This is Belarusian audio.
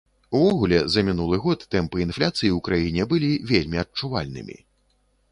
Увогуле, за мінулы год тэмпы інфляцыі ў краіне былі вельмі адчувальнымі.